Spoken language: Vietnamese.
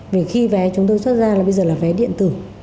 vì khi vé chúng tôi xuất ra là bây giờ là vé điện tử